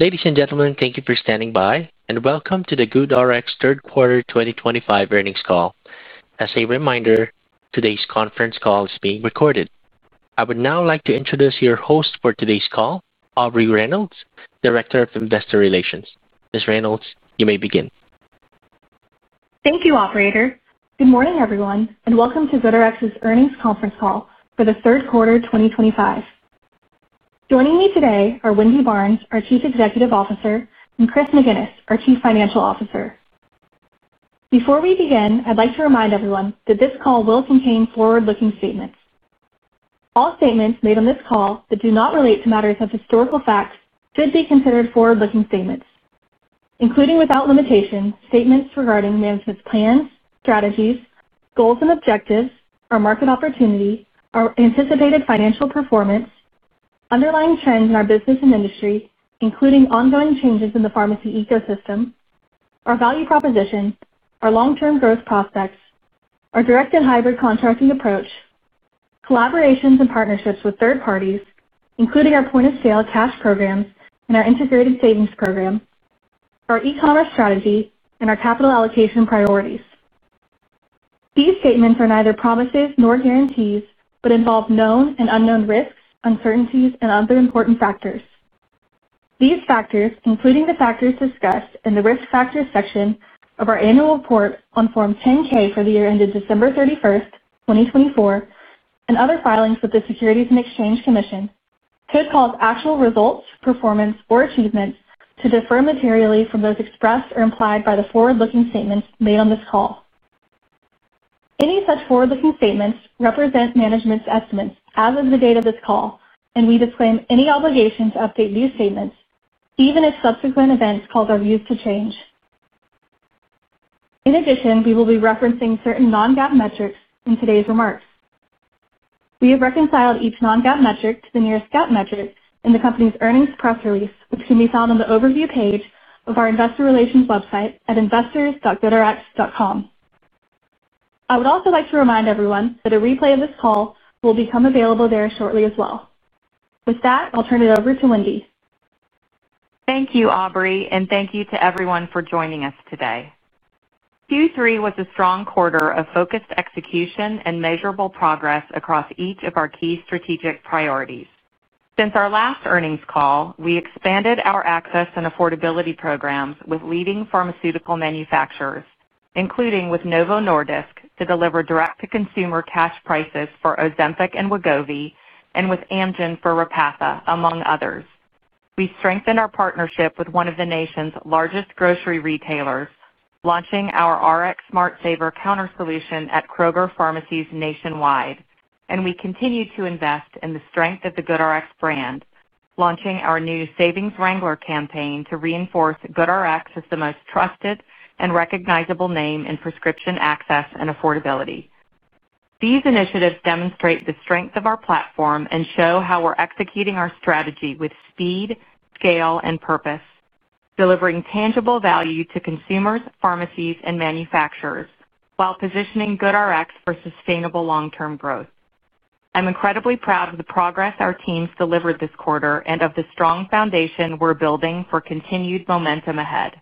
Ladies and gentlemen, thank you for standing by, and welcome to the GoodRx third quarter 2025 earnings call. As a reminder, today's conference call is being recorded. I would now like to introduce your host for today's call, Aubrey Reynolds, Director of Investor Relations. Ms. Reynolds, you may begin. Thank you, Operator. Good morning, everyone, and welcome to GoodRx's earnings conference call for the third quarter 2025. Joining me today are Wendy Barnes, our Chief Executive Officer, and Chris McGinnis, our Chief Financial Officer. Before we begin, I'd like to remind everyone that this call will contain forward-looking statements. All statements made on this call that do not relate to matters of historical facts should be considered forward-looking statements, including without limitation statements regarding management's plans, strategies, goals and objectives, our market opportunity, our anticipated financial performance, underlying trends in our business and industry, including ongoing changes in the pharmacy ecosystem, our value proposition, our long-term growth prospects, our direct and hybrid contracting approach, collaborations and partnerships with third parties, including our point-of-sale cash programs and our integrated savings program, our e-commerce strategy, and our capital allocation priorities. These statements are neither promises nor guarantees but involve known and unknown risks, uncertainties, and other important factors. These factors, including the factors discussed in the risk factors section of our annual report on Form 10-K for the year ended December 31st, 2024, and other filings with the Securities and Exchange Commission, could cause actual results, performance, or achievements to differ materially from those expressed or implied by the forward-looking statements made on this call. Any such forward-looking statements represent management's estimates as of the date of this call, and we disclaim any obligation to update these statements, even if subsequent events cause our views to change. In addition, we will be referencing certain non-GAAP metrics in today's remarks. We have reconciled each non-GAAP metric to the nearest GAAP metric in the company's earnings press release, which can be found on the overview page of our investor relations website at investors.goodrx.com. I would also like to remind everyone that a replay of this call will become available there shortly as well. With that, I'll turn it over to Wendy. Thank you, Aubrey, and thank you to everyone for joining us today. Q3 was a strong quarter of focused execution and measurable progress across each of our key strategic priorities. Since our last earnings call, we expanded our access and affordability programs with leading pharmaceutical manufacturers, including with Novo Nordisk to deliver direct-to-consumer cash prices for Ozempic and Wegovy, and with Amgen for Repatha, among others. We strengthened our partnership with one of the nation's largest grocery retailers, launching our RxSmartSaver counter solution at Kroger Pharmacies nationwide, and we continue to invest in the strength of the GoodRx brand, launching our new Savings Wrangler campaign to reinforce GoodRx as the most trusted and recognizable name in prescription access and affordability. These initiatives demonstrate the strength of our platform and show how we're executing our strategy with speed, scale, and purpose, delivering tangible value to consumers, pharmacies, and manufacturers while positioning GoodRx for sustainable long-term growth. I'm incredibly proud of the progress our teams delivered this quarter and of the strong foundation we're building for continued momentum ahead.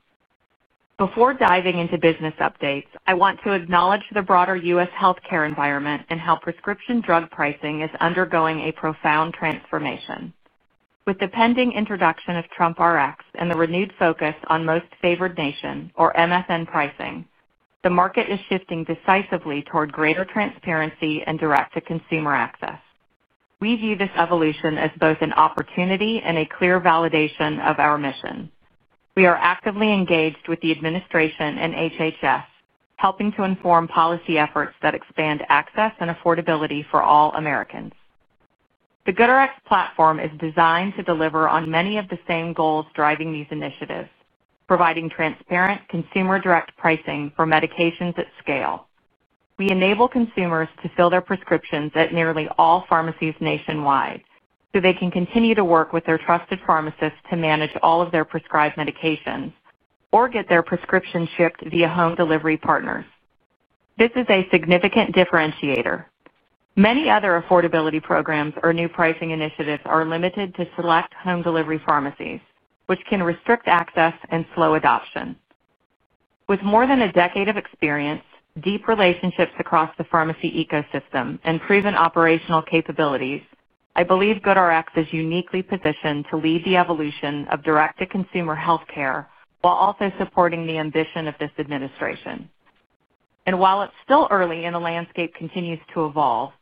Before diving into business updates, I want to acknowledge the broader U.S. healthcare environment and how prescription drug pricing is undergoing a profound transformation. With the pending introduction of TrumpRx and the renewed focus on most favored nation, or MFN, pricing, the market is shifting decisively toward greater transparency and direct-to-consumer access. We view this evolution as both an opportunity and a clear validation of our mission. We are actively engaged with the administration and HHS, helping to inform policy efforts that expand access and affordability for all Americans. The GoodRx platform is designed to deliver on many of the same goals driving these initiatives, providing transparent, consumer-direct pricing for medications at scale. We enable consumers to fill their prescriptions at nearly all pharmacies nationwide, so they can continue to work with their trusted pharmacists to manage all of their prescribed medications or get their prescription shipped via home delivery partners. This is a significant differentiator. Many other affordability programs or new pricing initiatives are limited to select home delivery pharmacies, which can restrict access and slow adoption. With more than a decade of experience, deep relationships across the pharmacy ecosystem, and proven operational capabilities, I believe GoodRx is uniquely positioned to lead the evolution of direct-to-consumer healthcare while also supporting the ambition of this administration. While it's still early and the landscape continues to evolve,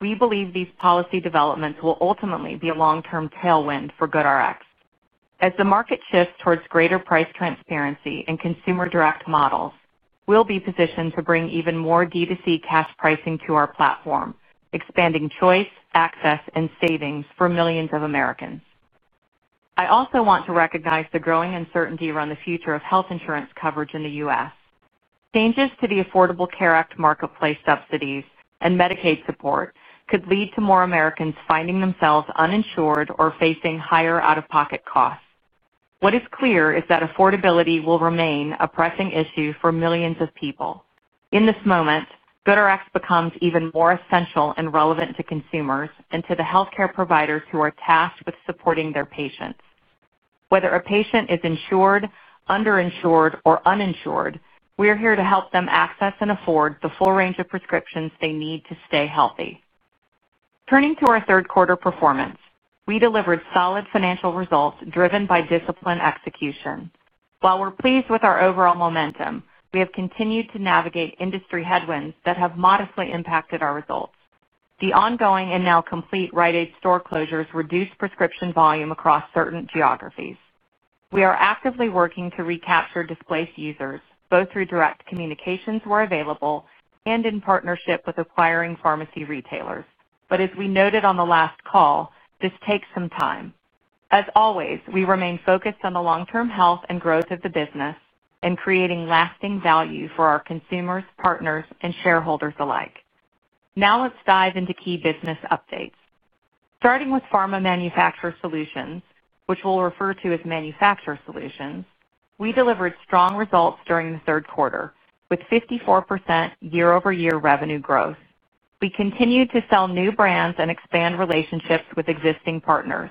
we believe these policy developments will ultimately be a long-term tailwind for GoodRx. As the market shifts towards greater price transparency and consumer-direct models, we'll be positioned to bring even more D2C cash pricing to our platform, expanding choice, access, and savings for millions of Americans. I also want to recognize the growing uncertainty around the future of health insurance coverage in the U.S. Changes to the Affordable Care Act marketplace subsidies and Medicaid support could lead to more Americans finding themselves uninsured or facing higher out-of-pocket costs. What is clear is that affordability will remain a pressing issue for millions of people. In this moment, GoodRx becomes even more essential and relevant to consumers and to the healthcare providers who are tasked with supporting their patients. Whether a patient is insured, underinsured, or uninsured, we are here to help them access and afford the full range of prescriptions they need to stay healthy. Turning to our third quarter performance, we delivered solid financial results driven by disciplined execution. While we're pleased with our overall momentum, we have continued to navigate industry headwinds that have modestly impacted our results. The ongoing and now complete Rite Aid store closures reduced prescription volume across certain geographies. We are actively working to recapture displaced users, both through direct communications where available and in partnership with acquiring pharmacy retailers. As we noted on the last call, this takes some time. As always, we remain focused on the long-term health and growth of the business and creating lasting value for our consumers, partners, and shareholders alike. Now let's dive into key business updates. Starting with pharma manufacturer solutions, which we'll refer to as manufacturer solutions, we delivered strong results during the third quarter with 54% year-over-year revenue growth. We continued to sell new brands and expand relationships with existing partners,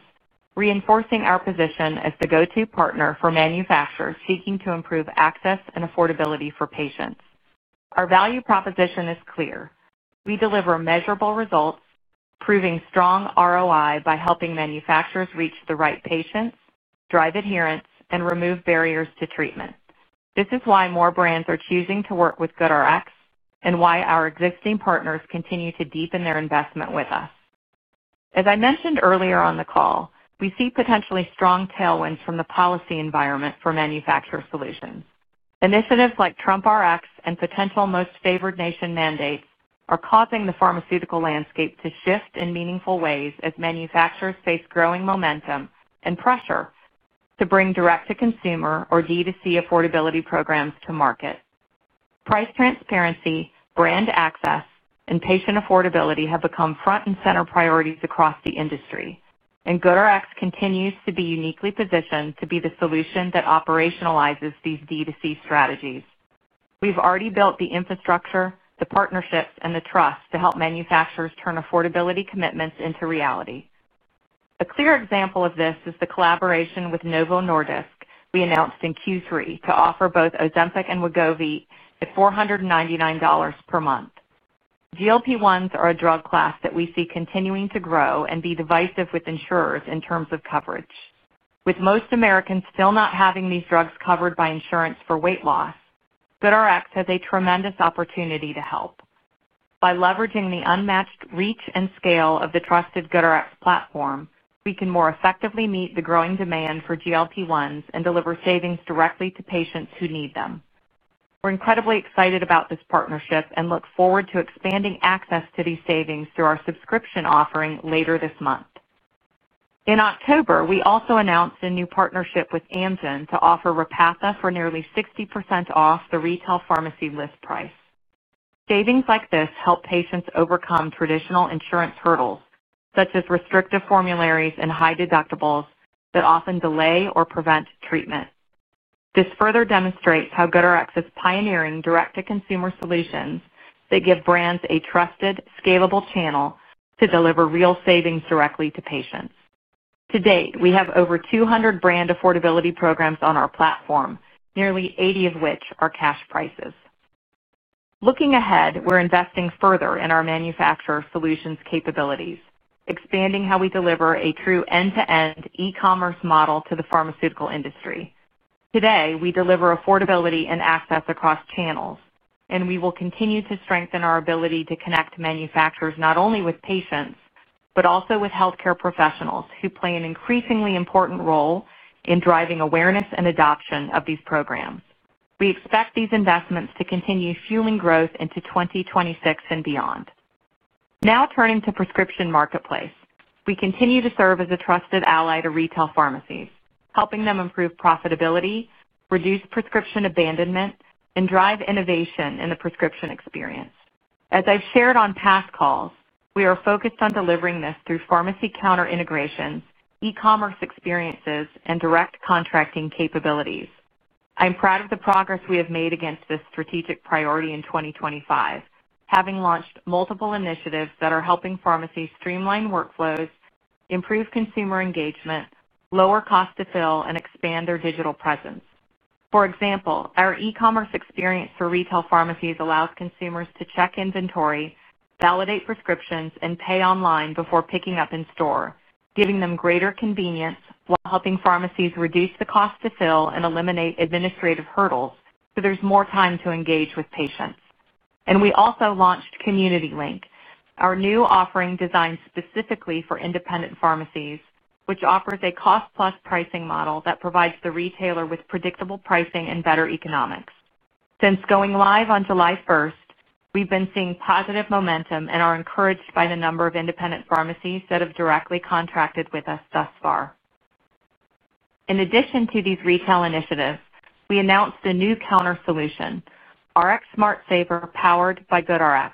reinforcing our position as the go-to partner for manufacturers seeking to improve access and affordability for patients. Our value proposition is clear. We deliver measurable results, proving strong ROI by helping manufacturers reach the right patients, drive adherence, and remove barriers to treatment. This is why more brands are choosing to work with GoodRx and why our existing partners continue to deepen their investment with us. As I mentioned earlier on the call, we see potentially strong tailwinds from the policy environment for manufacturer solutions. Initiatives like TrumpRx and potential most favored nation mandates are causing the pharmaceutical landscape to shift in meaningful ways as manufacturers face growing momentum and pressure to bring direct-to-consumer or D2C affordability programs to market. Price transparency, brand access, and patient affordability have become front-and-center priorities across the industry, and GoodRx continues to be uniquely positioned to be the solution that operationalizes these D2C strategies. We've already built the infrastructure, the partnerships, and the trust to help manufacturers turn affordability commitments into reality. A clear example of this is the collaboration with Novo Nordisk we announced in Q3 to offer both Ozempic and Wegovy at $499 per month. GLP-1s are a drug class that we see continuing to grow and be divisive with insurers in terms of coverage. With most Americans still not having these drugs covered by insurance for weight loss, GoodRx has a tremendous opportunity to help. By leveraging the unmatched reach and scale of the trusted GoodRx platform, we can more effectively meet the growing demand for GLP-1s and deliver savings directly to patients who need them. We're incredibly excited about this partnership and look forward to expanding access to these savings through our subscription offering later this month. In October, we also announced a new partnership with Amgen to offer Repatha for nearly 60% off the retail pharmacy list price. Savings like this help patients overcome traditional insurance hurdles, such as restrictive formularies and high deductibles that often delay or prevent treatment. This further demonstrates how GoodRx is pioneering direct-to-consumer solutions that give brands a trusted, scalable channel to deliver real savings directly to patients. To date, we have over 200 brand affordability programs on our platform, nearly 80 of which are cash prices. Looking ahead, we're investing further in our manufacturer solutions capabilities, expanding how we deliver a true end-to-end e-commerce model to the pharmaceutical industry. Today, we deliver affordability and access across channels, and we will continue to strengthen our ability to connect manufacturers not only with patients but also with healthcare professionals who play an increasingly important role in driving awareness and adoption of these programs. We expect these investments to continue fueling growth into 2026 and beyond. Now turning to the prescription marketplace, we continue to serve as a trusted ally to retail pharmacies, helping them improve profitability, reduce prescription abandonment, and drive innovation in the prescription experience. As I've shared on past calls, we are focused on delivering this through pharmacy counter integrations, e-commerce experiences, and direct contracting capabilities. I'm proud of the progress we have made against this strategic priority in 2025, having launched multiple initiatives that are helping pharmacies streamline workflows, improve consumer engagement, lower cost-to-fill, and expand their digital presence. For example, our e-commerce experience for retail pharmacies allows consumers to check inventory, validate prescriptions, and pay online before picking up in store, giving them greater convenience while helping pharmacies reduce the cost-to-fill and eliminate administrative hurdles so there's more time to engage with patients. We also launched Community Link, our new offering designed specifically for independent pharmacies, which offers a cost-plus pricing model that provides the retailer with predictable pricing and better economics. Since going live on July 1st, we've been seeing positive momentum and are encouraged by the number of independent pharmacies that have directly contracted with us thus far. In addition to these retail initiatives, we announced a new counter solution, RxSmartSaver powered by GoodRx.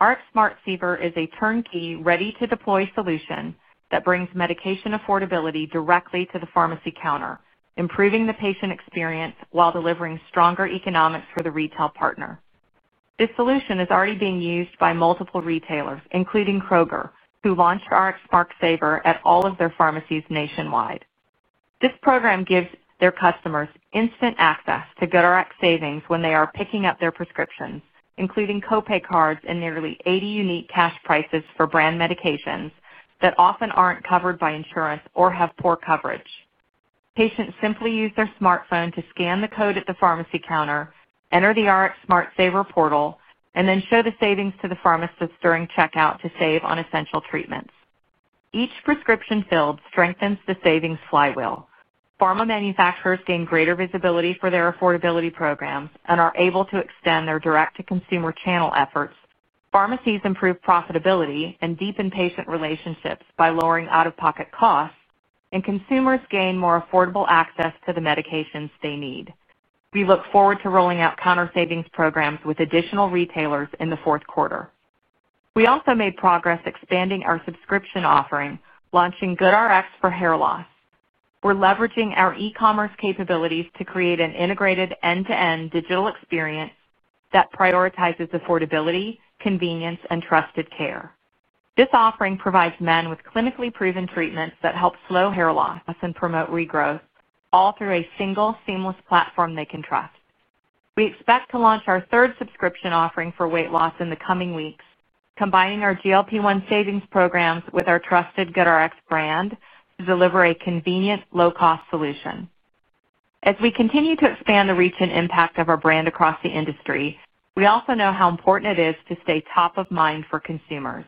RxSmartSaver is a turnkey ready-to-deploy solution that brings medication affordability directly to the pharmacy counter, improving the patient experience while delivering stronger economics for the retail partner. This solution is already being used by multiple retailers, including Kroger, who launched RxSmartSaver at all of their pharmacies nationwide. This program gives their customers instant access to GoodRx savings when they are picking up their prescriptions, including copay cards and nearly 80 unique cash prices for brand medications that often aren't covered by insurance or have poor coverage. Patients simply use their smartphone to scan the code at the pharmacy counter, enter the RxSmartSaver portal, and then show the savings to the pharmacist during checkout to save on essential treatments. Each prescription filled strengthens the savings flywheel. Pharma manufacturers gain greater visibility for their affordability programs and are able to extend their direct-to-consumer channel efforts. Pharmacies improve profitability and deepen patient relationships by lowering out-of-pocket costs, and consumers gain more affordable access to the medications they need. We look forward to rolling out counter savings programs with additional retailers in the fourth quarter. We also made progress expanding our subscription offering, launching GoodRx for hair loss. We're leveraging our e-commerce capabilities to create an integrated end-to-end digital experience that prioritizes affordability, convenience, and trusted care. This offering provides men with clinically proven treatments that help slow hair loss and promote regrowth, all through a single, seamless platform they can trust. We expect to launch our third subscription offering for weight loss in the coming weeks, combining our GLP-1 savings programs with our trusted GoodRx brand to deliver a convenient, low-cost solution. As we continue to expand the reach and impact of our brand across the industry, we also know how important it is to stay top of mind for consumers.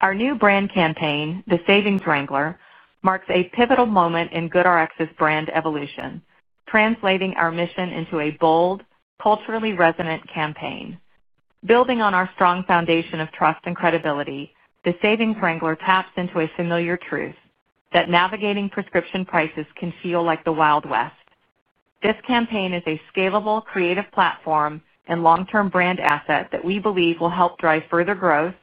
Our new brand campaign, The Savings Wrangler, marks a pivotal moment in GoodRx's brand evolution, translating our mission into a bold, culturally resonant campaign. Building on our strong foundation of trust and credibility, The Savings Wrangler taps into a familiar truth that navigating prescription prices can feel like the Wild West. This campaign is a scalable, creative platform and long-term brand asset that we believe will help drive further growth,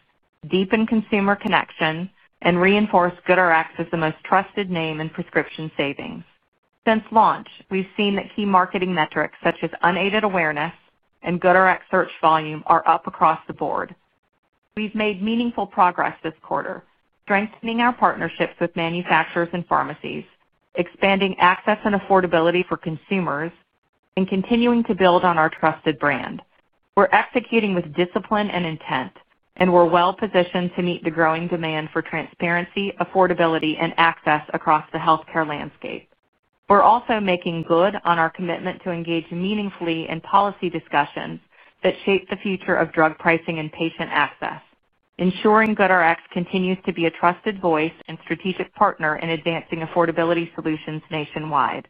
deepen consumer connection, and reinforce GoodRx as the most trusted name in prescription savings. Since launch, we've seen that key marketing metrics such as unaided awareness and GoodRx search volume are up across the board. We've made meaningful progress this quarter, strengthening our partnerships with manufacturers and pharmacies, expanding access and affordability for consumers, and continuing to build on our trusted brand. We're executing with discipline and intent, and we're well-positioned to meet the growing demand for transparency, affordability, and access across the healthcare landscape. We're also making good on our commitment to engage meaningfully in policy discussions that shape the future of drug pricing and patient access, ensuring GoodRx continues to be a trusted voice and strategic partner in advancing affordability solutions nationwide.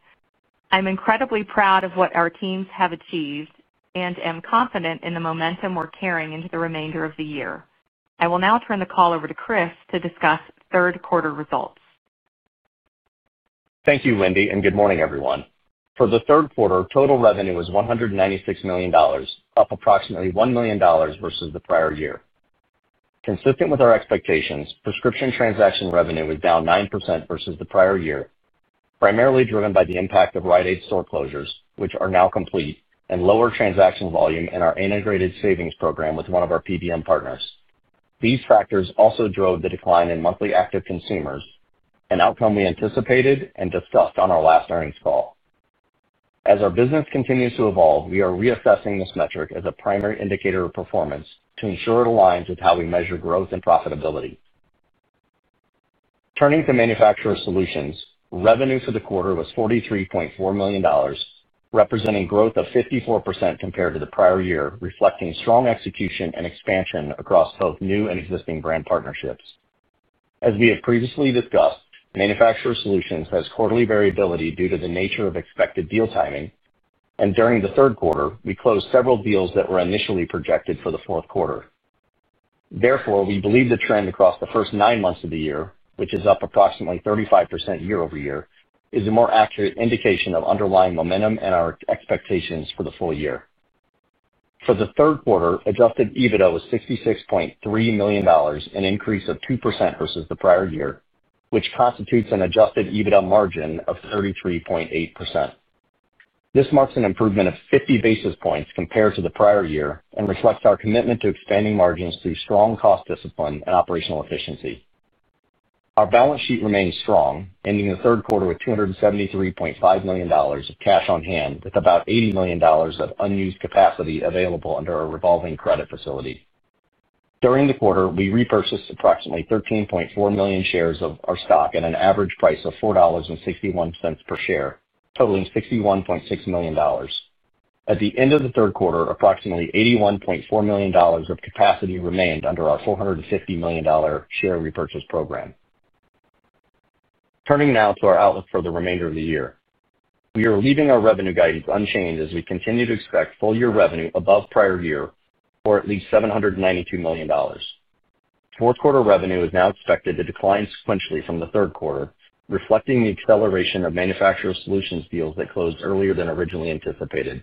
I'm incredibly proud of what our teams have achieved and am confident in the momentum we're carrying into the remainder of the year. I will now turn the call over to Chris to discuss third quarter results. Thank you, Wendy, and good morning, everyone. For the third quarter, total revenue was $196 million, up approximately $1 million versus the prior year. Consistent with our expectations, prescription transaction revenue was down 9% versus the prior year, primarily driven by the impact of Rite Aid store closures, which are now complete, and lower transaction volume in our integrated savings program with one of our PBM partners. These factors also drove the decline in monthly active consumers, an outcome we anticipated and discussed on our last earnings call. As our business continues to evolve, we are reassessing this metric as a primary indicator of performance to ensure it aligns with how we measure growth and profitability. Turning to manufacturer solutions, revenue for the quarter was $43.4 million, representing growth of 54% compared to the prior year, reflecting strong execution and expansion across both new and existing brand partnerships. As we have previously discussed, manufacturer solutions have quarterly variability due to the nature of expected deal timing, and during the third quarter, we closed several deals that were initially projected for the fourth quarter. Therefore, we believe the trend across the first 9 months of the year, which is up approximately 35% year-over-year, is a more accurate indication of underlying momentum and our expectations for the full year. For the third quarter, adjusted EBITDA was $66.3 million, an increase of 2% versus the prior year, which constitutes an adjusted EBITDA margin of 33.8%. This marks an improvement of 50 basis points compared to the prior year and reflects our commitment to expanding margins through strong cost discipline and operational efficiency. Our balance sheet remains strong, ending the third quarter with $273.5 million of cash on hand, with about $80 million of unused capacity available under our revolving credit facility. During the quarter, we repurchased approximately 13.4 million shares of our stock at an average price of $4.61 per share, totaling $61.6 million. At the end of the third quarter, approximately $81.4 million of capacity remained under our $450 million share repurchase program. Turning now to our outlook for the remainder of the year, we are leaving our revenue guidance unchanged as we continue to expect full-year revenue above prior year for at least $792 million. Fourth quarter revenue is now expected to decline sequentially from the third quarter, reflecting the acceleration of manufacturer solutions deals that closed earlier than originally anticipated.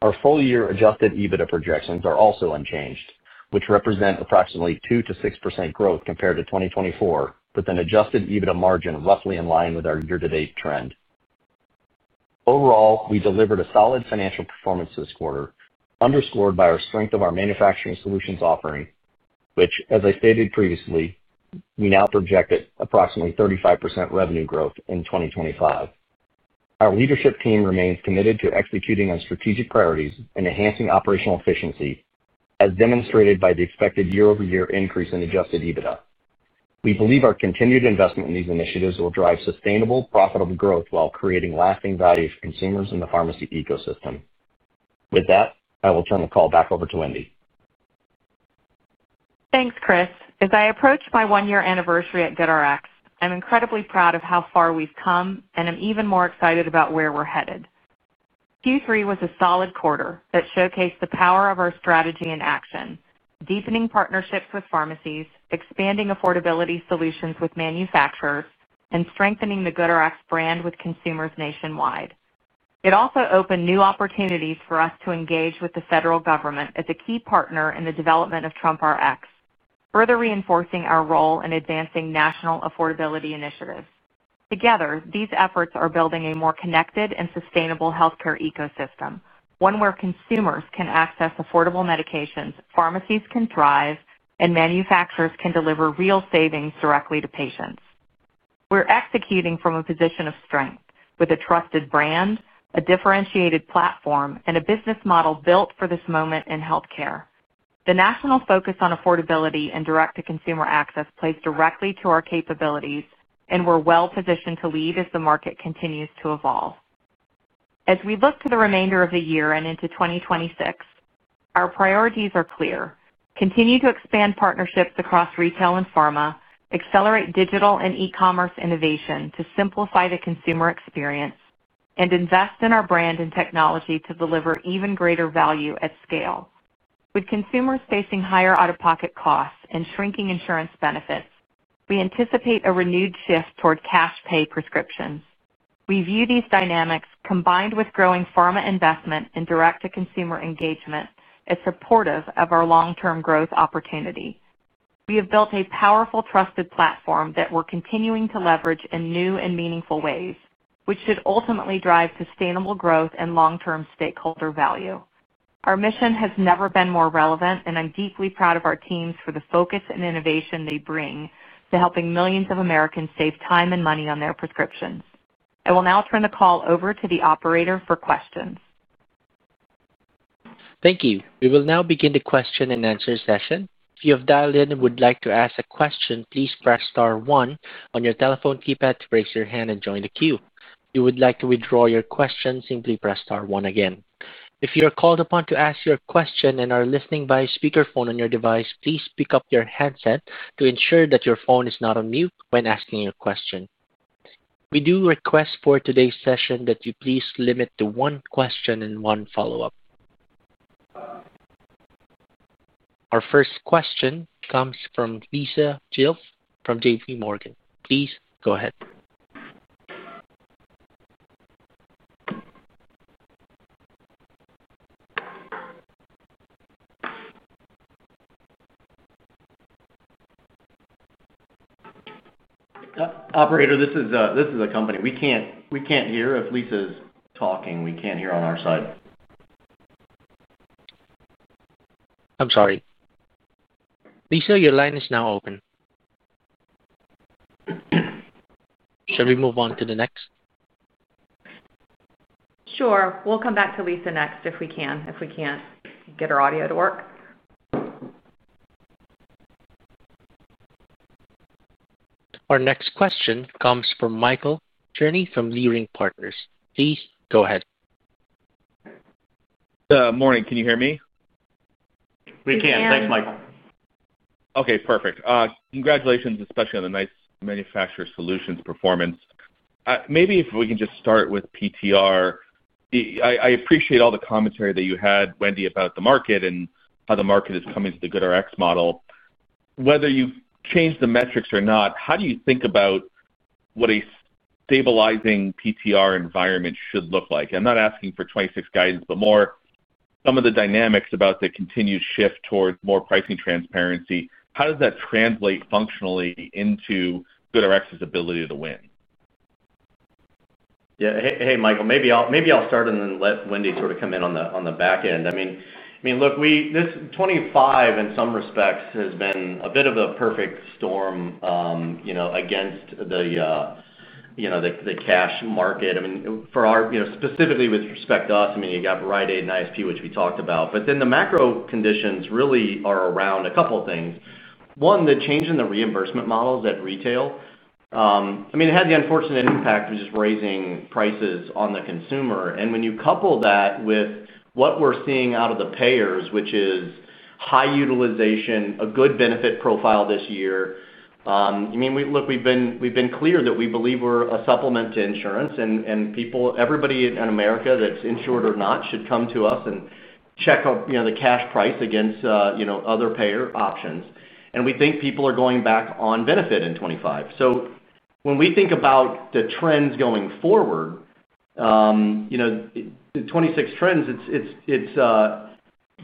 Our full-year adjusted EBITDA projections are also unchanged, which represent approximately 2%-6% growth compared to 2024, with an adjusted EBITDA margin roughly in line with our year-to-date trend. Overall, we delivered a solid financial performance this quarter, underscored by our strength of our manufacturer solutions offering, which, as I stated previously, we now project at approximately 35% revenue growth in 2025. Our leadership team remains committed to executing on strategic priorities and enhancing operational efficiency, as demonstrated by the expected year-over-year increase in adjusted EBITDA. We believe our continued investment in these initiatives will drive sustainable, profitable growth while creating lasting value for consumers in the pharmacy ecosystem. With that, I will turn the call back over to Wendy. Thanks, Chris. As I approach my one-year anniversary at GoodRx, I'm incredibly proud of how far we've come and am even more excited about where we're headed. Q3 was a solid quarter that showcased the power of our strategy in action, deepening partnerships with pharmacies, expanding affordability solutions with manufacturers, and strengthening the GoodRx brand with consumers nationwide. It also opened new opportunities for us to engage with the federal government as a key partner in the development of TrumpRx, further reinforcing our role in advancing national affordability initiatives. Together, these efforts are building a more connected and sustainable healthcare ecosystem, one where consumers can access affordable medications, pharmacies can thrive, and manufacturers can deliver real savings directly to patients. We're executing from a position of strength with a trusted brand, a differentiated platform, and a business model built for this moment in healthcare. The national focus on affordability and direct-to-consumer access plays directly to our capabilities, and we're well-positioned to lead as the market continues to evolve. As we look to the remainder of the year and into 2026, our priorities are clear: continue to expand partnerships across retail and pharma, accelerate digital and e-commerce innovation to simplify the consumer experience, and invest in our brand and technology to deliver even greater value at scale. With consumers facing higher out-of-pocket costs and shrinking insurance benefits, we anticipate a renewed shift toward cash-pay prescriptions. We view these dynamics, combined with growing pharma investment and direct-to-consumer engagement, as supportive of our long-term growth opportunity. We have built a powerful, trusted platform that we're continuing to leverage in new and meaningful ways, which should ultimately drive sustainable growth and long-term stakeholder value. Our mission has never been more relevant, and I'm deeply proud of our teams for the focus and innovation they bring to helping millions of Americans save time and money on their prescriptions. I will now turn the call over to the operator for questions. Thank you. We will now begin the question-and-answer session. If you have dialed in and would like to ask a question, please press star one on your telephone keypad to raise your hand and join the queue. If you would like to withdraw your question, simply press star one again. If you are called upon to ask your question and are listening via speakerphone on your device, please pick up your headset to ensure that your phone is not on mute when asking your question. We do request for today's session that you please limit to one question and one follow-up. Our first question comes from Lisa Gill from JPMorgan. Please go ahead. Operator, this is a company. We can't hear if Lisa's talking. We can't hear on our side. I'm sorry. Lisa, your line is now open. Shall we move on to the next? Sure. We'll come back to Lisa next if we can, if we can't get her audio to work. Our next question comes from Michael Cherny from Leerink Partners. Please go ahead. Good morning. Can you hear me? We can. Thanks, Michael. Okay. Perfect. Congratulations, especially on the nice manufacturer solutions performance. Maybe if we can just start with PTR. I appreciate all the commentary that you had, Wendy, about the market and how the market is coming to the GoodRx model. Whether you've changed the metrics or not, how do you think about what a stabilizing PTR environment should look like? I'm not asking for 2026 guidance, but more some of the dynamics about the continued shift toward more pricing transparency. How does that translate functionally into GoodRx's ability to win? Yeah. Hey, Michael, maybe I'll start and then let Wendy sort of come in on the back end. I mean, look, this 2025, in some respects, has been a bit of a perfect storm. Against the cash market. I mean, specifically with respect to us, I mean, you got Rite Aid and ISP, which we talked about. The macro conditions really are around a couple of things. One, the change in the reimbursement models at retail. I mean, it had the unfortunate impact of just raising prices on the consumer. When you couple that with what we're seeing out of the payers, which is high utilization, a good benefit profile this year, I mean, look, we've been clear that we believe we're a supplement to insurance, and everybody in America that's insured or not should come to us and check the cash price against other payer options. We think people are going back on benefit in 2025. When we think about the trends going forward, the 2026 trends,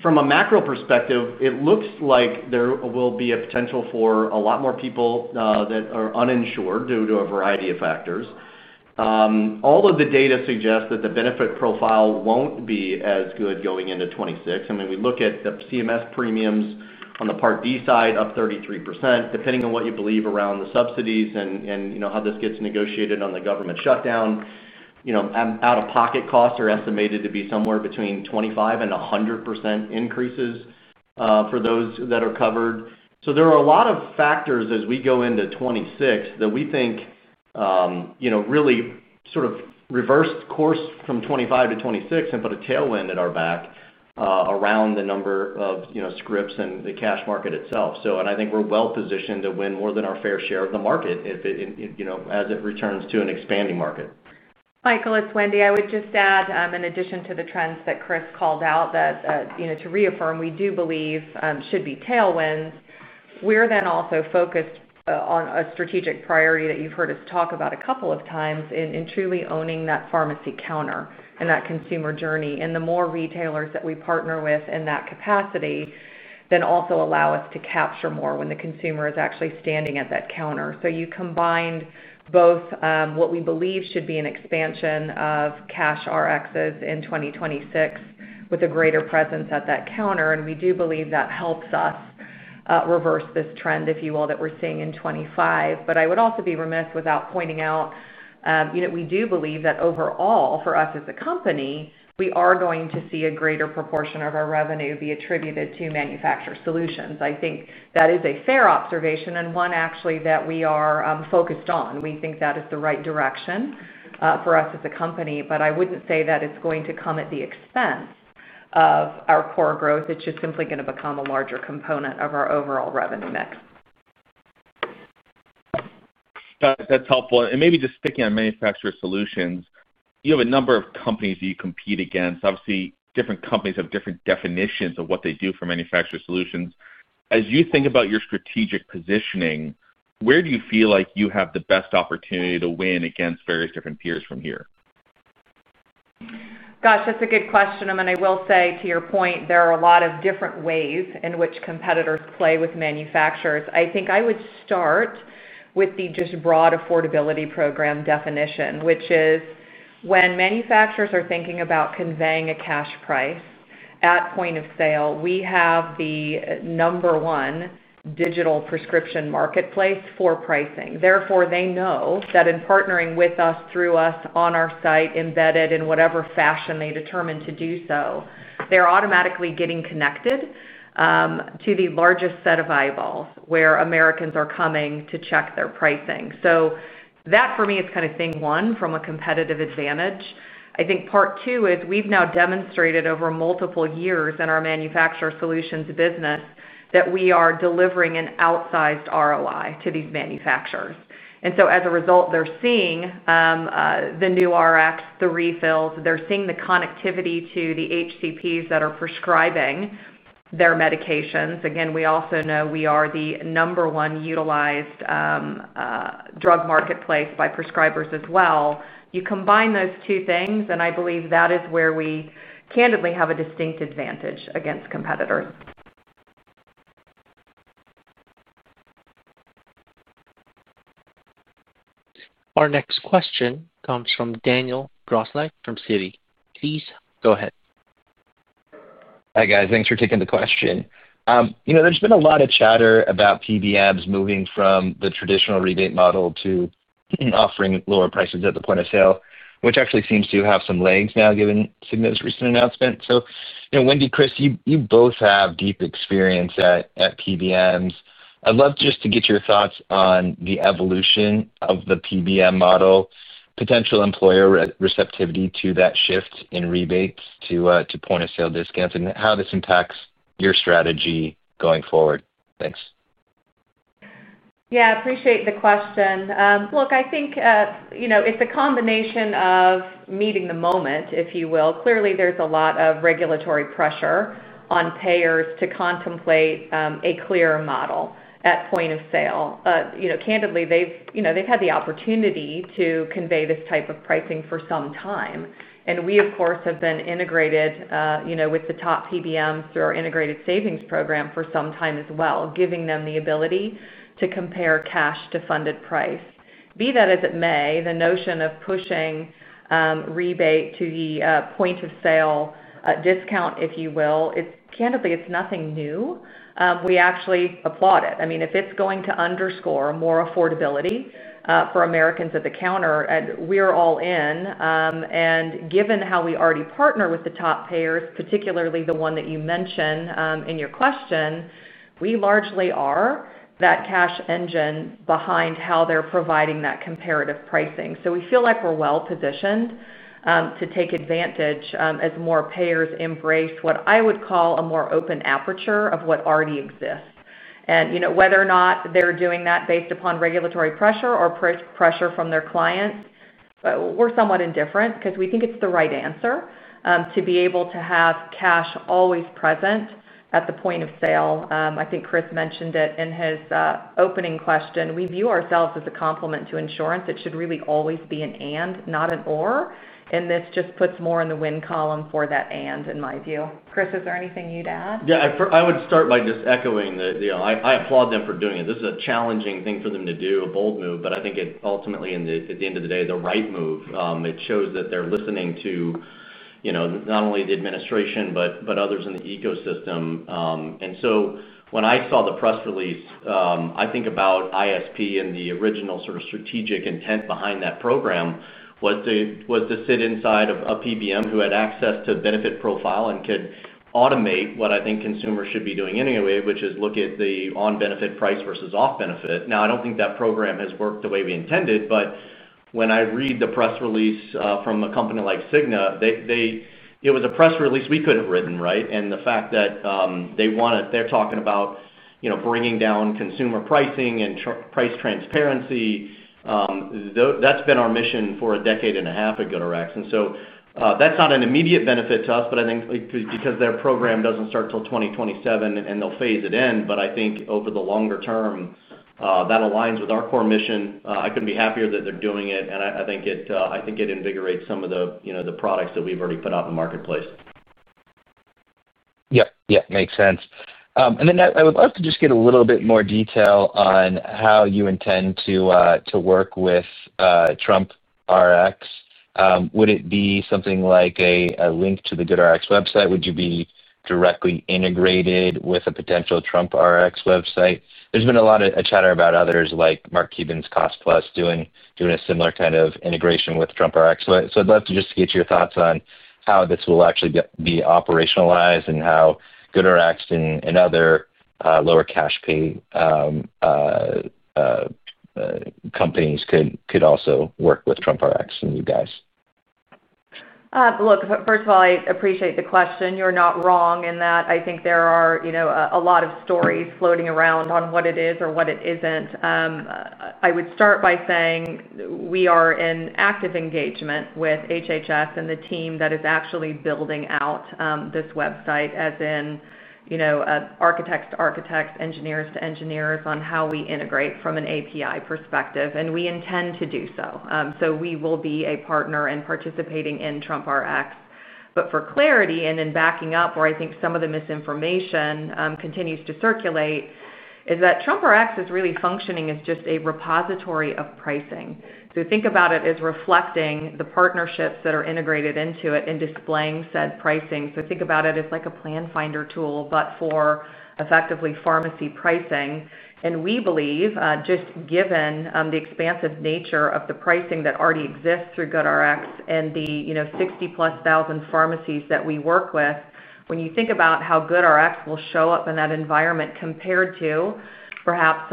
from a macro perspective, it looks like there will be a potential for a lot more people that are uninsured due to a variety of factors. All of the data suggests that the benefit profile will not be as good going into 2026. I mean, we look at the CMS premiums on the Part D side, up 33%, depending on what you believe around the subsidies and how this gets negotiated on the government shutdown. Out-of-pocket costs are estimated to be somewhere between 25%-100% increases for those that are covered. There are a lot of factors as we go into 2026 that we think really sort of reversed course from 2025 to 2026 and put a tailwind at our back. Around the number of scripts and the cash market itself. I think we're well-positioned to win more than our fair share of the market as it returns to an expanding market. Michael, it's Wendy. I would just add, in addition to the trends that Chris called out, that to reaffirm, we do believe should be tailwinds. We're then also focused on a strategic priority that you've heard us talk about a couple of times in truly owning that pharmacy counter and that consumer journey. The more retailers that we partner with in that capacity then also allow us to capture more when the consumer is actually standing at that counter. You combine both what we believe should be an expansion of cash Rxs in 2026 with a greater presence at that counter. We do believe that helps us. Reverse this trend, if you will, that we're seeing in 2025. I would also be remiss without pointing out, we do believe that overall, for us as a company, we are going to see a greater proportion of our revenue be attributed to manufacturer solutions. I think that is a fair observation and one, actually, that we are focused on. We think that is the right direction for us as a company. I would not say that it's going to come at the expense of our core growth. It's just simply going to become a larger component of our overall revenue mix. That's helpful. Maybe just speaking on manufacturer solutions, you have a number of companies that you compete against. Obviously, different companies have different definitions of what they do for manufacturer solutions. As you think about your strategic positioning, where do you feel like you have the best opportunity to win against various different peers from here? Gosh, that's a good question. I mean, I will say, to your point, there are a lot of different ways in which competitors play with manufacturers. I think I would start with the just broad affordability program definition, which is when manufacturers are thinking about conveying a cash price at point of sale, we have the number one digital prescription marketplace for pricing. Therefore, they know that in partnering with us, through us, on our site, embedded in whatever fashion they determine to do so, they're automatically getting connected to the largest set of eyeballs where Americans are coming to check their pricing. So that, for me, is kind of thing one from a competitive advantage. I think part two is we've now demonstrated over multiple years in our manufacturer solutions business that we are delivering an outsized ROI to these manufacturers. As a result, they're seeing the new Rx, the refills. They're seeing the connectivity to the HCPs that are prescribing their medications. Again, we also know we are the number one utilized drug marketplace by prescribers as well. You combine those two things, and I believe that is where we candidly have a distinct advantage against competitors. Our next question comes from Daniel Grosslight from Citi. Please go ahead. Hi, guys. Thanks for taking the question. There's been a lot of chatter about PBMs moving from the traditional rebate model to offering lower prices at the point of sale, which actually seems to have some legs now given Cigna's recent announcement. Wendy, Chris, you both have deep experience at PBMs. I'd love just to get your thoughts on the evolution of the PBM model, potential employer receptivity to that shift in rebates to point-of-sale discounts, and how this impacts your strategy going forward. Thanks. Yeah. I appreciate the question. Look, I think it's a combination of meeting the moment, if you will. Clearly, there's a lot of regulatory pressure on payers to contemplate a clearer model at point of sale. Candidly, they've had the opportunity to convey this type of pricing for some time. And we, of course, have been integrated with the top PBMs through our integrated savings program for some time as well, giving them the ability to compare cash to funded price. Be that as it may, the notion of pushing rebate to the point-of-sale discount, if you will, candidly, it's nothing new. We actually applaud it. I mean, if it's going to underscore more affordability for Americans at the counter, we're all in. Given how we already partner with the top payers, particularly the one that you mentioned in your question, we largely are that cash engine behind how they're providing that comparative pricing. We feel like we're well-positioned to take advantage as more payers embrace what I would call a more open aperture of what already exists. Whether or not they're doing that based upon regulatory pressure or pressure from their clients, we're somewhat indifferent because we think it's the right answer to be able to have cash always present at the point of sale. I think Chris mentioned it in his opening question. We view ourselves as a complement to insurance. It should really always be an and, not an or. This just puts more in the win column for that and, in my view. Chris, is there anything you'd add? Yeah. I would start by just echoing that I applaud them for doing it. This is a challenging thing for them to do, a bold move. I think it ultimately, at the end of the day, is the right move. It shows that they're listening to not only the administration but others in the ecosystem. When I saw the press release, I think about ISP and the original sort of strategic intent behind that program was to sit inside of a PBM who had access to benefit profile and could automate what I think consumers should be doing anyway, which is look at the on-benefit price versus off-benefit. I don't think that program has worked the way we intended. When I read the press release from a company like Cigna, it was a press release we could have written, right? The fact that they're talking about bringing down consumer pricing and price transparency, that's been our mission for a decade and a half at GoodRx. That's not an immediate benefit to us, but I think because their program doesn't start till 2027, and they'll phase it in. I think over the longer term, that aligns with our core mission. I couldn't be happier that they're doing it. I think it invigorates some of the products that we've already put out in the marketplace. Yeah. Yeah. Makes sense. I would love to just get a little bit more detail on how you intend to work with TrumpRx. Would it be something like a link to the GoodRx website? Would you be directly integrated with a potential TrumpRx website? There's been a lot of chatter about others like Mark Cuban's Cost Plus doing a similar kind of integration with TrumpRx. I'd love to just get your thoughts on how this will actually be operationalized and how GoodRx and other lower cash pay companies could also work with TrumpRx and you guys. Look, first of all, I appreciate the question. You're not wrong in that. I think there are a lot of stories floating around on what it is or what it isn't. I would start by saying we are in active engagement with HHS and the team that is actually building out this website, as in architects-to-architects, engineers-to-engineers, on how we integrate from an API perspective. We intend to do so. We will be a partner in participating in TrumpRx. For clarity and in backing up where I think some of the misinformation continues to circulate, TrumpRx is really functioning as just a repository of pricing. Think about it as reflecting the partnerships that are integrated into it and displaying said pricing. Think about it as like a plan finder tool, but for effectively pharmacy pricing. We believe, just given the expansive nature of the pricing that already exists through GoodRx and the 60,000+ pharmacies that we work with, when you think about how GoodRx will show up in that environment compared to perhaps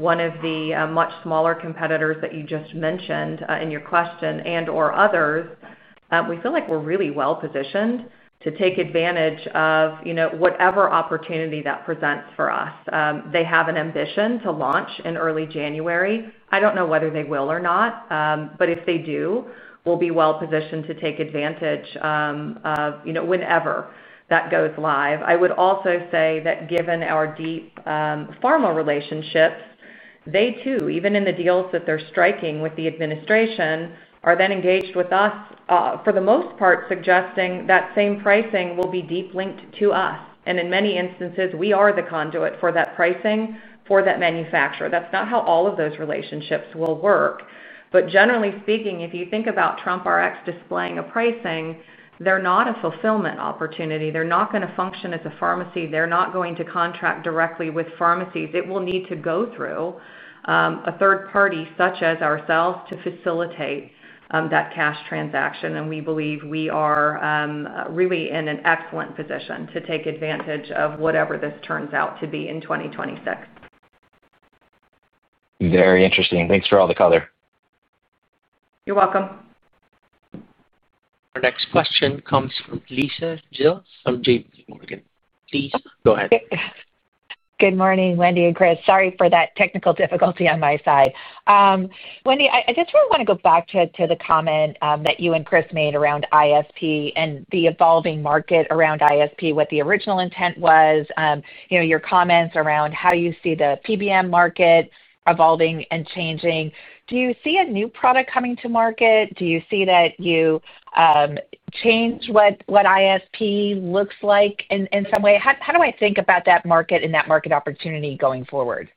one of the much smaller competitors that you just mentioned in your question and/or others, we feel like we are really well-positioned to take advantage of whatever opportunity that presents for us. They have an ambition to launch in early January. I do not know whether they will or not. If they do, we will be well-positioned to take advantage of whenever that goes live. I would also say that given our deep pharma relationships, they too, even in the deals that they are striking with the administration, are then engaged with us, for the most part, suggesting that same pricing will be deep linked to us. In many instances, we are the conduit for that pricing for that manufacturer. That is not how all of those relationships will work. Generally speaking, if you think about TrumpRx displaying a pricing, they are not a fulfillment opportunity. They are not going to function as a pharmacy. They are not going to contract directly with pharmacies. It will need to go through a third party such as ourselves to facilitate that cash transaction. We believe we are really in an excellent position to take advantage of whatever this turns out to be in 2026. Very interesting. Thanks for all the color. You're welcome. Our next question comes from Lisa Gill from JPMorgan. Please go ahead. Good morning, Wendy and Chris. Sorry for that technical difficulty on my side. Wendy, I just really want to go back to the comment that you and Chris made around ISP and the evolving market around ISP, what the original intent was. Your comments around how you see the PBM market evolving and changing. Do you see a new product coming to market? Do you see that you change what ISP looks like in some way? How do I think about that market and that market opportunity going forward?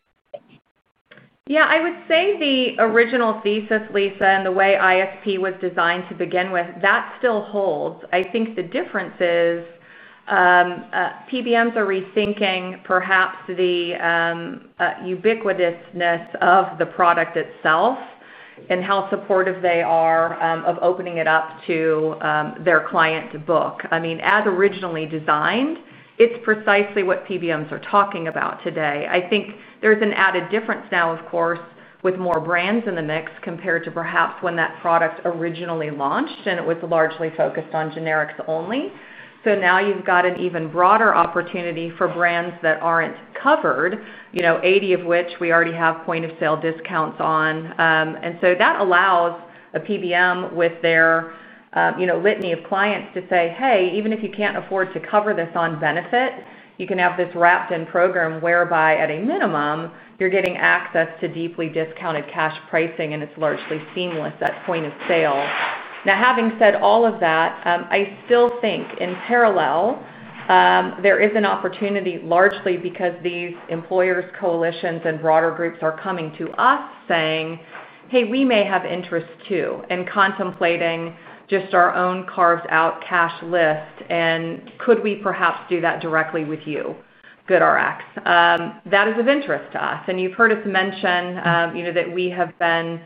Yeah.I would say the original thesis, Lisa, and the way ISP was designed to begin with, that still holds. I think the difference is PBMs are rethinking perhaps the ubiquitousness of the product itself and how supportive they are of opening it up to their client to book. I mean, as originally designed, it's precisely what PBMs are talking about today. I think there's an added difference now, of course, with more brands in the mix compared to perhaps when that product originally launched and it was largely focused on generics only. Now you've got an even broader opportunity for brands that aren't covered, 80 of which we already have point-of-sale discounts on. That allows a PBM with their. Litany of clients to say, "Hey, even if you can't afford to cover this on benefits, you can have this wrapped-in program whereby, at a minimum, you're getting access to deeply discounted cash pricing, and it's largely seamless at point of sale." Now, having said all of that, I still think in parallel. There is an opportunity largely because these employers, coalitions, and broader groups are coming to us saying, "Hey, we may have interest too," and contemplating just our own carved-out cash list. And could we perhaps do that directly with you, GoodRx? That is of interest to us. And you've heard us mention that we have been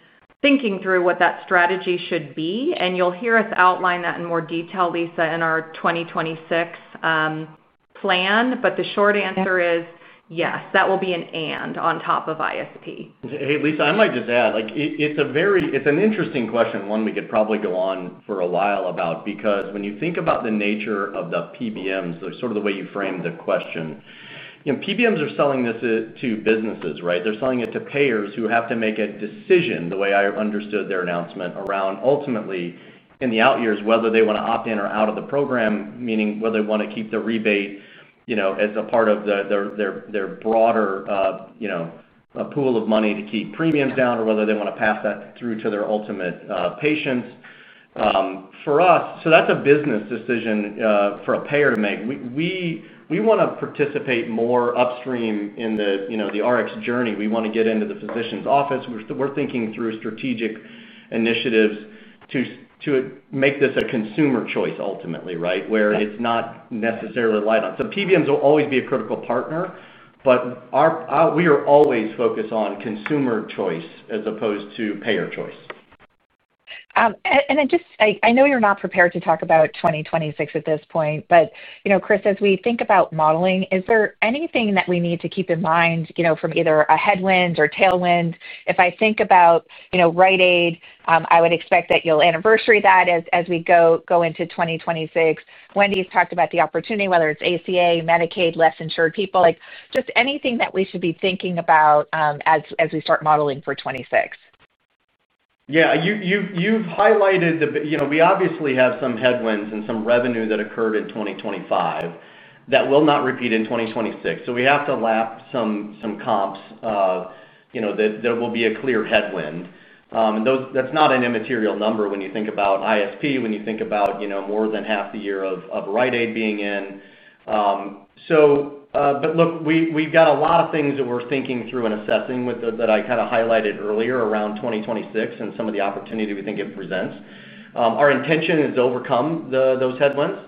thinking through what that strategy should be. And you'll hear us outline that in more detail, Lisa, in our 2026 plan. But the short answer is yes. That will be an and on top of ISP. Hey, Lisa, I might just add, it's an interesting question, one we could probably go on for a while about, because when you think about the nature of the PBMs, sort of the way you framed the question, PBMs are selling this to businesses, right? They're selling it to payers who have to make a decision, the way I understood their announcement, around ultimately, in the out years, whether they want to opt in or out of the program, meaning whether they want to keep the rebate as a part of their broader pool of money to keep premiums down, or whether they want to pass that through to their ultimate patients. For us, that's a business decision for a payer to make. We want to participate more upstream in the Rx journey. We want to get into the physician's office. We're thinking through strategic initiatives to. Make this a consumer choice ultimately, right, where it's not necessarily light on. PBMs will always be a critical partner, but we are always focused on consumer choice as opposed to payer choice. I know you're not prepared to talk about 2026 at this point, but Chris, as we think about modeling, is there anything that we need to keep in mind from either a headwind or tailwind? If I think about Rite Aid, I would expect that you'll anniversary that as we go into 2026. Wendy's talked about the opportunity, whether it's ACA, Medicaid, less insured people, just anything that we should be thinking about as we start modeling for 2026. Yeah. You've highlighted that we obviously have some headwinds and some revenue that occurred in 2025 that will not repeat in 2026. We have to lap some comps. That will be a clear headwind. That's not an immaterial number when you think about ISP, when you think about more than half the year of Rite Aid being in. Look, we've got a lot of things that we're thinking through and assessing that I kind of highlighted earlier around 2026 and some of the opportunity we think it presents. Our intention is to overcome those headwinds.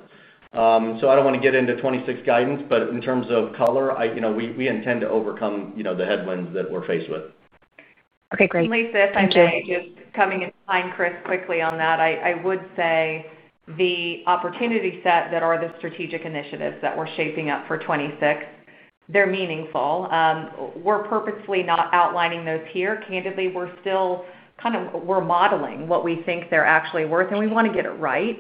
I don't want to get into 2026 guidance, but in terms of color, we intend to overcome the headwinds that we're faced with. Okay. Great. Lisa, if I may just coming in behind Chris quickly on that, I would say the opportunity set that are the strategic initiatives that we're shaping up for 2026, they're meaningful. We're purposely not outlining those here. Candidly, we're still kind of modeling what we think they're actually worth. We want to get it right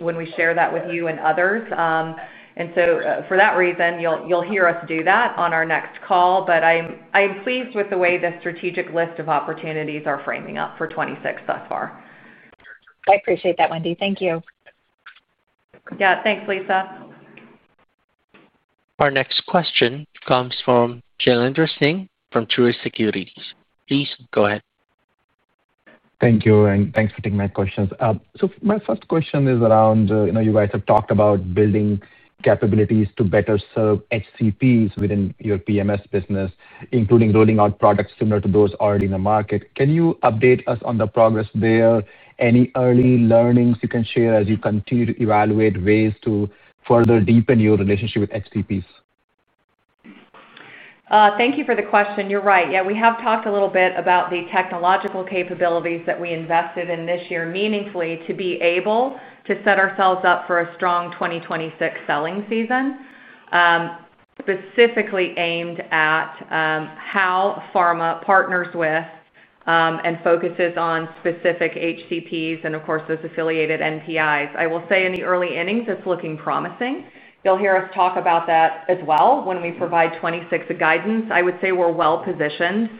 when we share that with you and others. For that reason, you'll hear us do that on our next call. I am pleased with the way the strategic list of opportunities are framing up for 2026 thus far. I appreciate that, Wendy. Thank you. Yeah. Thanks, Lisa. Our next question comes from Jailendra Singh from Truist Securities. Please go ahead. Thank you. Thanks for taking my questions. My first question is around you guys have talked about building capabilities to better serve HCPs within your PMS business, including rolling out products similar to those already in the market. Can you update us on the progress there? Any early learnings you can share as you continue to evaluate ways to further deepen your relationship with HCPs? Thank you for the question. You're right. Yeah. We have talked a little bit about the technological capabilities that we invested in this year meaningfully to be able to set ourselves up for a strong 2026 selling season. Specifically aimed at how pharma partners with and focuses on specific HCPs and, of course, those affiliated NPIs. I will say in the early innings, it's looking promising. You'll hear us talk about that as well when we provide 2026 guidance. I would say we're well-positioned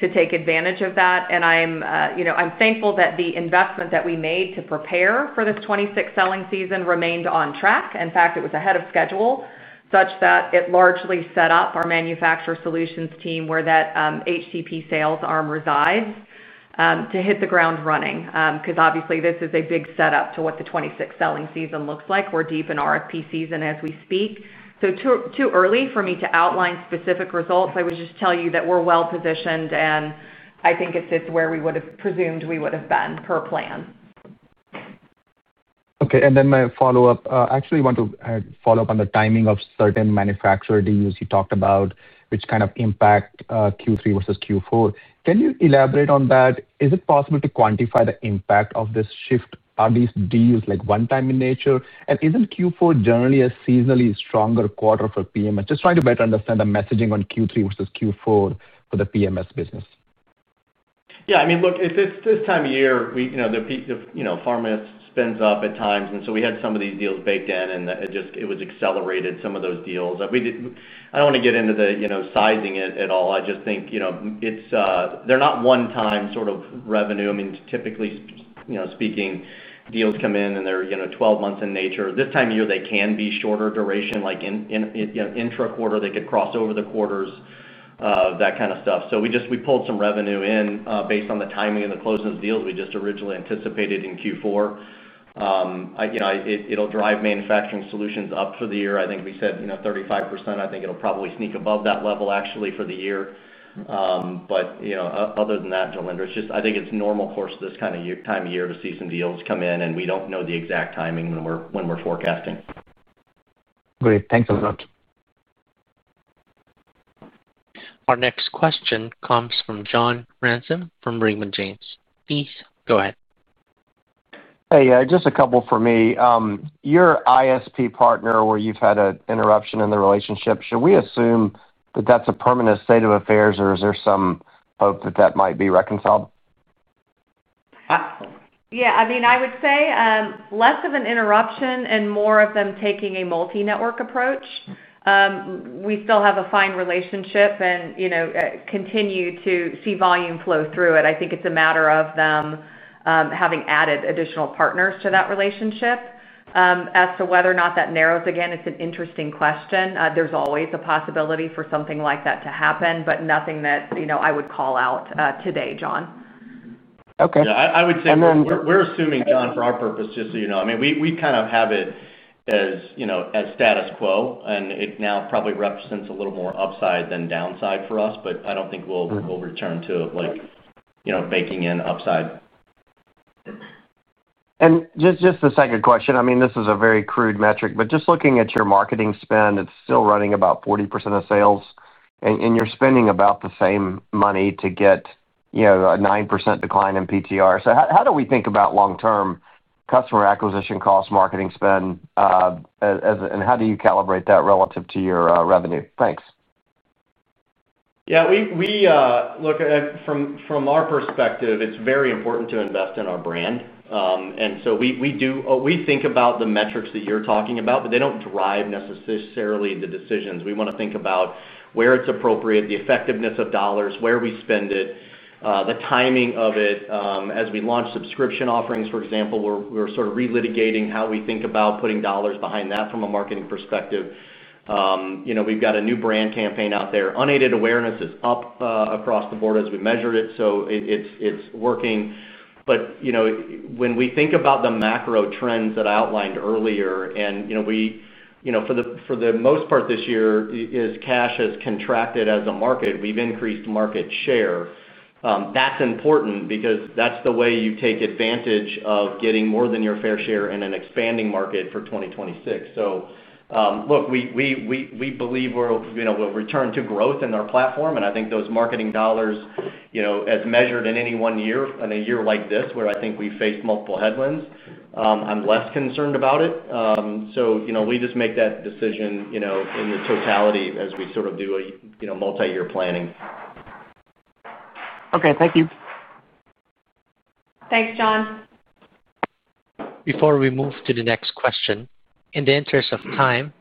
to take advantage of that. I'm thankful that the investment that we made to prepare for this 2026 selling season remained on track. In fact, it was ahead of schedule such that it largely set up our manufacturer solutions team where that HCP sales arm resides to hit the ground running. Obviously, this is a big setup to what the 2026 selling season looks like. We're deep in RFP season as we speak. Too early for me to outline specific results. I would just tell you that we're well-positioned, and I think it sits where we would have presumed we would have been per plan. Okay. My follow-up, actually, I want to follow up on the timing of certain manufacturer deals you talked about, which kind of impact Q3 versus Q4. Can you elaborate on that? Is it possible to quantify the impact of this shift? Are these deals one-time in nature? Isn't Q4 generally a seasonally stronger quarter for PBMs? Just trying to better understand the messaging on Q3 versus Q4 for the PBM business. Yeah. I mean, look, this time of year, the pharma spins up at times. We had some of these deals baked in, and it was accelerated, some of those deals. I don't want to get into the sizing at all. I just think they're not one-time sort of revenue. I mean, typically speaking, deals come in, and they're 12 months in nature. This time of year, they can be shorter duration. Intraquarter, they could cross over the quarters, that kind of stuff. So we pulled some revenue in based on the timing and the closing of deals we just originally anticipated in Q4. It'll drive manufacturer solutions up for the year. I think we said 35%. I think it'll probably sneak above that level, actually, for the year. Other than that, Jailendra, I think it's normal course this kind of time of year to see some deals come in, and we don't know the exact timing when we're forecasting. Great. Thanks a lot. Our next question comes from John Ransom from Raymond James. Please go ahead. Hey, just a couple for me. Your ISP partner, where you've had an interruption in the relationship, should we assume that that's a permanent state of affairs, or is there some hope that that might be reconciled? Yeah. I mean, I would say less of an interruption and more of them taking a multi-network approach. We still have a fine relationship and continue to see volume flow through it. I think it's a matter of them having added additional partners to that relationship. As to whether or not that narrows again, it's an interesting question. There's always a possibility for something like that to happen, but nothing that I would call out today, John. Okay. Yeah. I would say we're assuming, John, for our purposes, just so you know. I mean, we kind of have it as. Status quo, and it now probably represents a little more upside than downside for us, but I do not think we will return to baking in upside. And just a second question. I mean, this is a very crude metric, but just looking at your marketing spend, it is still running about 40% of sales, and you are spending about the same money to get a 9% decline in PTR. So how do we think about long-term customer acquisition costs, marketing spend, and how do you calibrate that relative to your revenue? Thanks. Yeah. Look, from our perspective, it is very important to invest in our brand. And so we think about the metrics that you are talking about, but they do not drive necessarily the decisions. We want to think about where it is appropriate, the effectiveness of dollars, where we spend it, the timing of it. As we launch subscription offerings, for example, we're sort of relitigating how we think about putting dollars behind that from a marketing perspective. We've got a new brand campaign out there. Unaided awareness is up across the board as we measured it, so it's working. When we think about the macro trends that I outlined earlier, and we, for the most part this year, as cash has contracted as a market, we've increased market share. That's important because that's the way you take advantage of getting more than your fair share in an expanding market for 2026. Look. We believe we'll return to growth in our platform, and I think those marketing dollars, as measured in any one year, in a year like this where I think we faced multiple headwinds, I'm less concerned about it. We just make that decision in the totality as we sort of do a multi-year planning. Okay. Thank you. Thanks, John. Before we move to the next question, in the interest of time,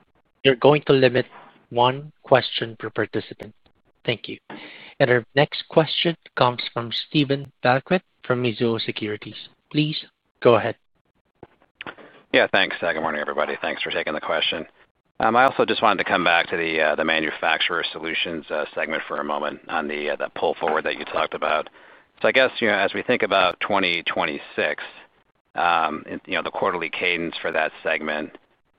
we're going to limit one question per participant. Thank you. Our next question comes from Steven Valiquette from Mizuho Securities. Please go ahead. Yeah. Thanks. Good morning, everybody. Thanks for taking the question. I also just wanted to come back to the manufacturer solutions segment for a moment on the pull forward that you talked about. I guess as we think about 2026, the quarterly cadence for that segment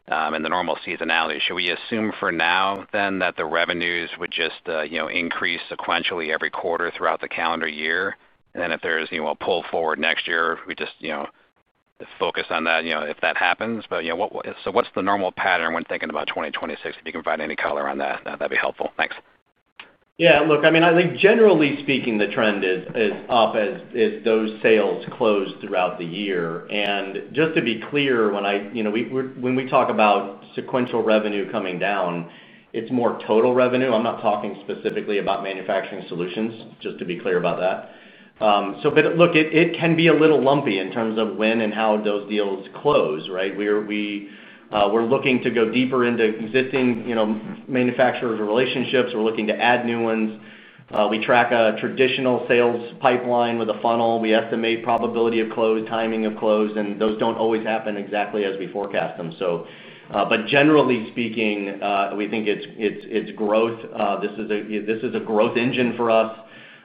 and the normal seasonality, should we assume for now then that the revenues would just increase sequentially every quarter throughout the calendar year? If there's a pull forward next year, we just focus on that if that happens. What's the normal pattern when thinking about 2026? If you can provide any color on that, that'd be helpful. Thanks. Yeah. Look, I mean, I think generally speaking, the trend is up as those sales close throughout the year. Just to be clear, when we talk about sequential revenue coming down, it's more total revenue. I'm not talking specifically about manufacturer solutions, just to be clear about that. It can be a little lumpy in terms of when and how those deals close, right? We're looking to go deeper into existing manufacturers' relationships. We're looking to add new ones. We track a traditional sales pipeline with a funnel. We estimate probability of close, timing of close, and those don't always happen exactly as we forecast them. Generally speaking, we think it's growth. This is a growth engine for us.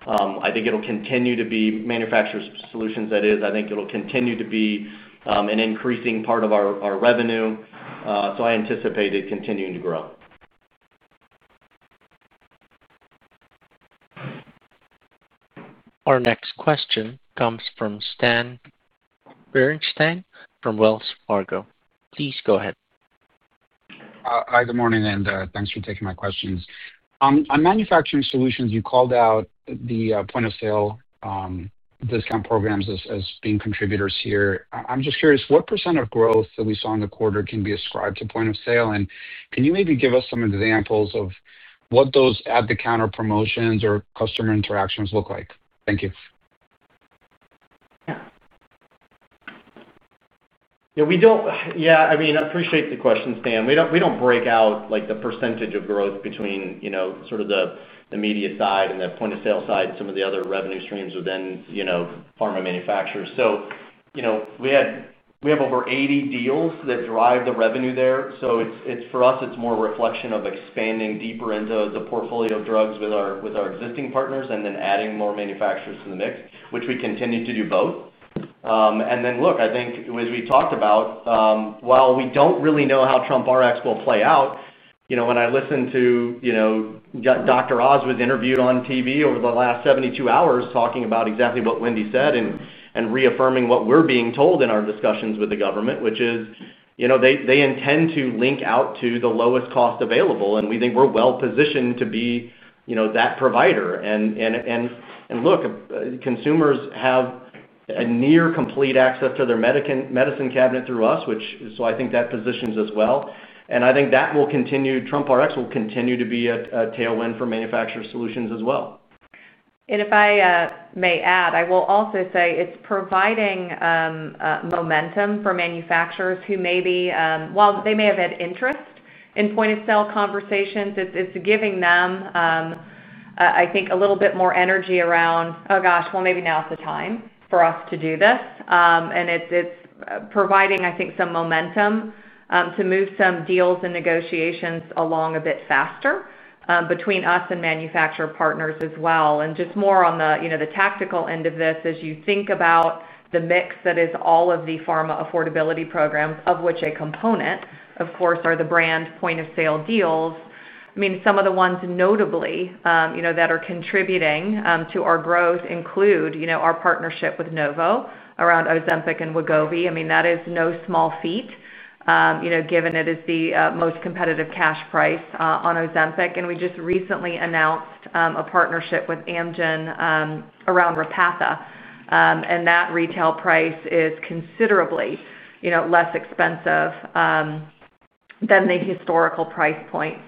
I think it'll continue to be manufacturers' solutions. That is, I think it'll continue to be an increasing part of our revenue. I anticipate it continuing to grow. Our next question comes from Stan Berenshteyn from Wells Fargo. Please go ahead. Hi. Good morning, and thanks for taking my questions. On manufacturing solutions, you called out the point-of-sale discount programs as being contributors here. I'm just curious, what percent of growth that we saw in the quarter can be ascribed to point-of-sale? Can you maybe give us some examples of what those at-the-counter promotions or customer interactions look like? Thank you. Yeah. I appreciate the question, Stan. We don't break out the percentage of growth between sort of the media side and the point-of-sale side and some of the other revenue streams within pharma manufacturers. We have over 80 deals that drive the revenue there. For us, it is more a reflection of expanding deeper into the portfolio of drugs with our existing partners and then adding more manufacturers to the mix, which we continue to do both. I think, as we talked about, while we do not really know how TrumpRx will play out, when I listen to Dr. Oz was interviewed on TV over the last 72 hours talking about exactly what Wendy said and reaffirming what we are being told in our discussions with the government, which is they intend to link out to the lowest cost available, and we think we are well-positioned to be that provider. Consumers have a near-complete access to their medicine cabinet through us, so I think that positions us well. I think that will continue. TrumpRx will continue to be a tailwind for manufacturer solutions as well. If I may add, I will also say it's providing momentum for manufacturers who maybe, while they may have had interest in point-of-sale conversations, it's giving them, I think, a little bit more energy around, "Oh, gosh, well, maybe now's the time for us to do this." It's providing, I think, some momentum to move some deals and negotiations along a bit faster between us and manufacturer partners as well. Just more on the tactical end of this, as you think about the mix that is all of the pharma affordability programs, of which a component, of course, are the brand point-of-sale deals. I mean, some of the ones notably that are contributing to our growth include our partnership with Novo around Ozempic and Wegovy. I mean, that is no small feat. Given it is the most competitive cash price on Ozempic. We just recently announced a partnership with Amgen around Repatha. That retail price is considerably less expensive than the historical price point.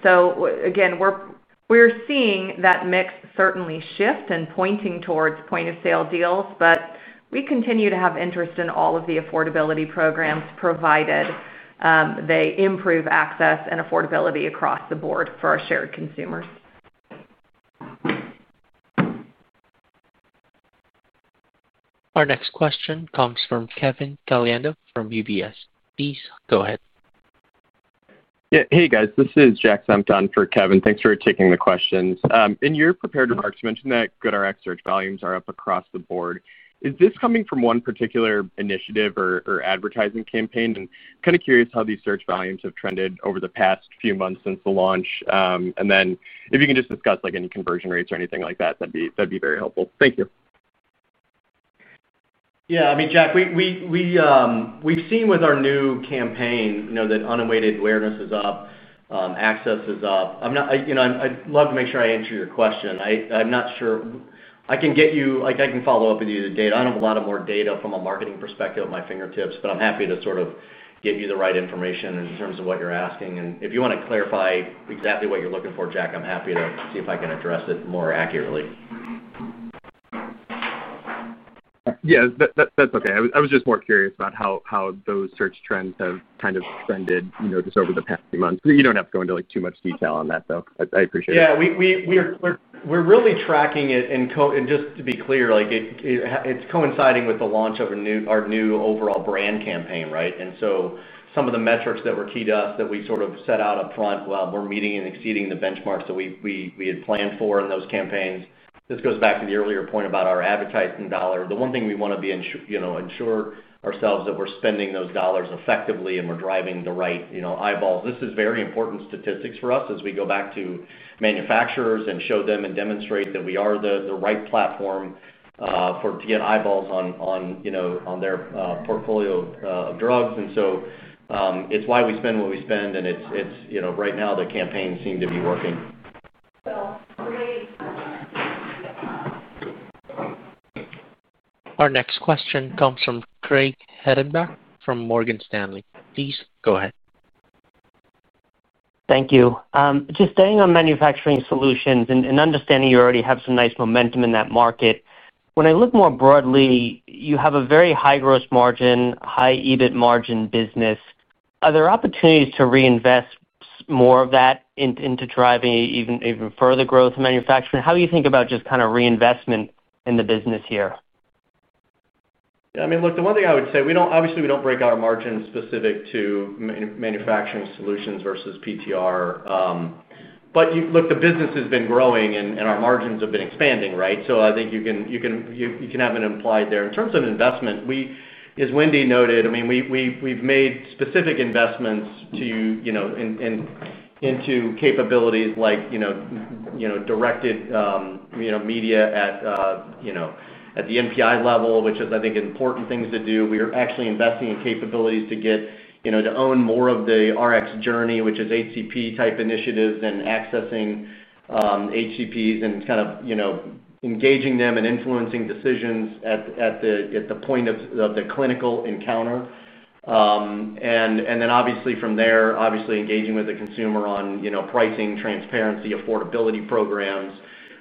We are seeing that mix certainly shift and pointing towards point-of-sale deals, but we continue to have interest in all of the affordability programs provided. They improve access and affordability across the board for our shared consumers. Our next question comes from Kevin Caliendo from UBS. Please go ahead. Yeah. Hey, guys. This is Jack Senft on for Kevin. Thanks for taking the questions. In your prepared remarks, you mentioned that GoodRx search volumes are up across the board. Is this coming from one particular initiative or advertising campaign? Kind of curious how these search volumes have trended over the past few months since the launch. If you can just discuss any conversion rates or anything like that, that would be very helpful. Thank you. Yeah. I mean, Jack, we've seen with our new campaign that unaided awareness is up, access is up. I'd love to make sure I answer your question. I'm not sure. I can follow up with you with the data. I do not have a lot more data from a marketing perspective at my fingertips, but I'm happy to sort of give you the right information in terms of what you're asking. If you want to clarify exactly what you're looking for, Jack, I'm happy to see if I can address it more accurately. Yeah. That's okay. I was just more curious about how those search trends have kind of trended just over the past few months. You do not have to go into too much detail on that, though. I appreciate it. Yeah. We are really tracking it. And just to be clear. It is coinciding with the launch of our new overall brand campaign, right? Some of the metrics that were key to us that we sort of set out upfront, we are meeting and exceeding the benchmarks that we had planned for in those campaigns. This goes back to the earlier point about our advertising dollar. The one thing we want to ensure ourselves is that we are spending those dollars effectively and we are driving the right eyeballs. This is very important statistics for us as we go back to manufacturers and show them and demonstrate that we are the right platform to get eyeballs on their portfolio of drugs. It's why we spend what we spend, and right now, the campaigns seem to be working. Our next question comes from Craig Hettenbach from Morgan Stanley. Please go ahead. Thank you. Just staying on manufacturing solutions and understanding you already have some nice momentum in that market. When I look more broadly, you have a very high gross margin, high EBIT margin business. Are there opportunities to reinvest more of that into driving even further growth in manufacturing? How do you think about just kind of reinvestment in the business here? Yeah. I mean, look, the one thing I would say, obviously, we don't break out a margin specific to manufacturing solutions versus PTR. But look, the business has been growing, and our margins have been expanding, right? I think you can have it implied there. In terms of investment. As Wendy noted, I mean, we've made specific investments into capabilities like directed media at the NPI level, which is, I think, an important thing to do. We are actually investing in capabilities to get to own more of the Rx Journey, which is HCP-type initiatives and accessing HCPs and kind of engaging them and influencing decisions at the point of the clinical encounter. Obviously, from there, engaging with the consumer on pricing, transparency, affordability programs,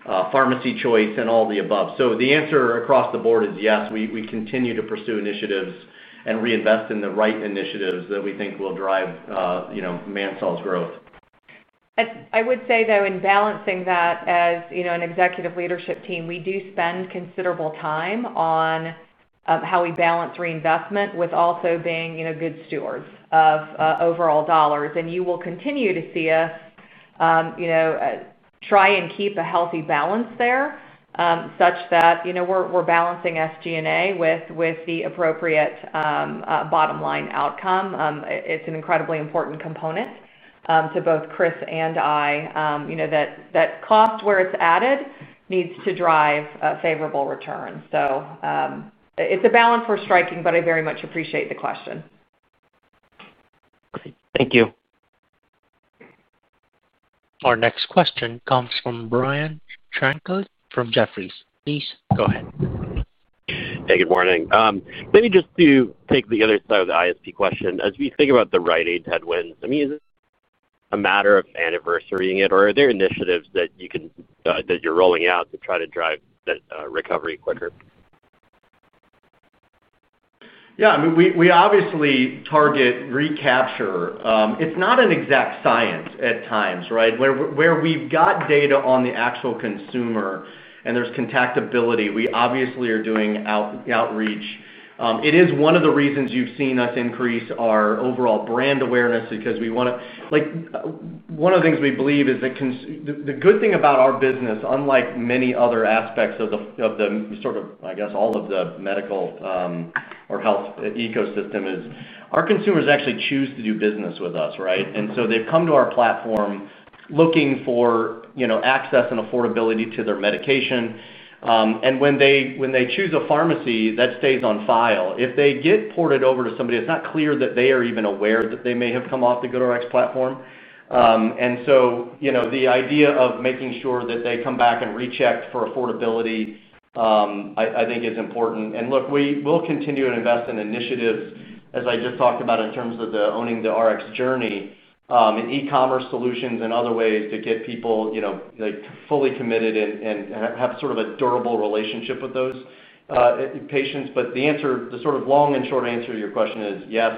pharmacy choice, and all the above. The answer across the board is yes. We continue to pursue initiatives and reinvest in the right initiatives that we think will drive ManSol's growth. I would say, though, in balancing that, as an executive leadership team, we do spend considerable time on how we balance reinvestment with also being good stewards of overall dollars. You will continue to see us. Try and keep a healthy balance there such that we're balancing SG&A with the appropriate bottom line outcome. It's an incredibly important component to both Chris and I. That cost where it's added needs to drive favorable returns. It's a balance we're striking, but I very much appreciate the question. Thank you. Our next question comes from Brian Tanquilut from Jefferies. Please go ahead. Hey. Good morning. Maybe just to take the other side of the ISP question. As we think about the Rite Aid headwinds, I mean, is it a matter of anniversarying it, or are there initiatives that you're rolling out to try to drive that recovery quicker? Yeah. I mean, we obviously target recapture. It's not an exact science at times, right? Where we've got data on the actual consumer and there's contactability, we obviously are doing outreach. It is one of the reasons you've seen us increase our overall brand awareness because we want to. One of the things we believe is that the good thing about our business, unlike many other aspects of the sort of, I guess, all of the medical or health ecosystem, is our consumers actually choose to do business with us, right? They have come to our platform looking for access and affordability to their medication. When they choose a pharmacy, that stays on file. If they get ported over to somebody, it's not clear that they are even aware that they may have come off the GoodRx platform. The idea of making sure that they come back and recheck for affordability, I think, is important. Look, we will continue to invest in initiatives, as I just talked about, in terms of owning the Rx Journey and e-commerce solutions and other ways to get people. Fully committed and have sort of a durable relationship with those patients. The sort of long and short answer to your question is yes,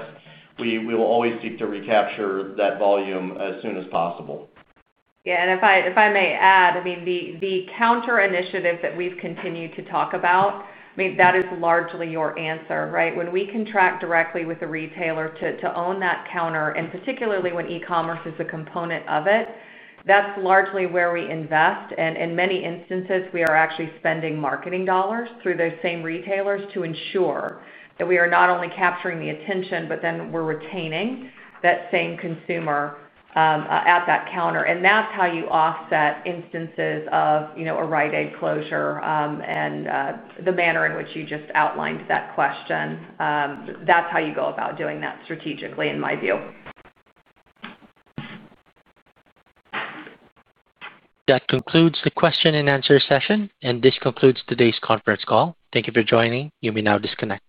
we will always seek to recapture that volume as soon as possible. Yeah. If I may add, I mean, the counter initiative that we've continued to talk about, I mean, that is largely your answer, right? When we contract directly with a retailer to own that counter, and particularly when e-commerce is a component of it, that's largely where we invest. In many instances, we are actually spending marketing dollars through those same retailers to ensure that we are not only capturing the attention, but then we're retaining that same consumer. At that counter. That is how you offset instances of a Rite Aid closure and the manner in which you just outlined that question. That is how you go about doing that strategically, in my view. That concludes the question and answer session, and this concludes today's conference call. Thank you for joining. You may now disconnect.